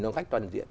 vào khách toàn diện